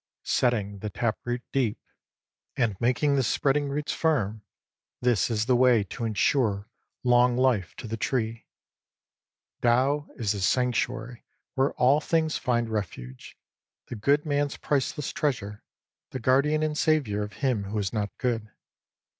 Setting the tap root deep, and 27 making the spreading roots firm : this is the way to ensure long life to the tree. Tao is the sanctuary where all things hnd refuge, the good man's priceless treasure, the guardian and saviour of him who is not good.